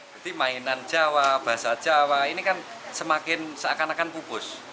jadi mainan jawa bahasa jawa ini kan semakin seakan akan pupus